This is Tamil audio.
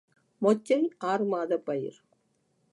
மொச்சை ஆறுமாதப் பயிர்.